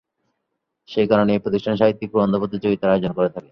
সেই কারণে এই প্রতিষ্ঠান ‘সাহিত্যিক প্রবন্ধ প্রতিযোগিতা’র আয়োজন করে থাকে।